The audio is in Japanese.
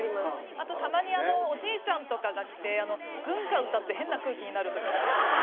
あとたまにおじいちゃんとかが来て軍歌歌って変な空気になるとかも。